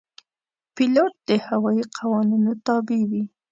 پیلوټ د هوايي قوانینو تابع وي.